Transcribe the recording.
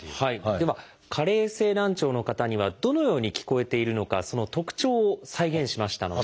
では加齢性難聴の方にはどのように聞こえているのかその特徴を再現しましたので。